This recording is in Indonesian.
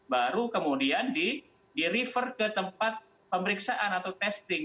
baru kemudian di refer ke tempat pemeriksaan atau testing